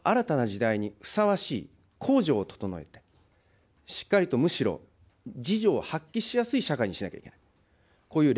これは新たな時代にふさわしい、公助を整えた、しっかりとむしろ、自助を発揮しやすい社会にしなきゃいけない。